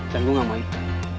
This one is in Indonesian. dan gue gak mau